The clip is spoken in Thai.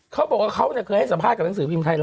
เขาบอกว่าเขาเคยให้สัมภาษณ์กับหนังสือพิมพ์ไทยรัฐ